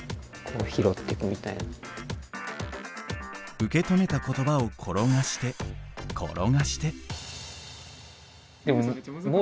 受け止めた言葉を転がして転がして。